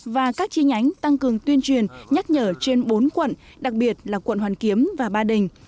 và các chi nhánh tăng cường tuyên truyền nhắc nhở trên bốn quận đặc biệt là quận hoàn kiếm và ba đình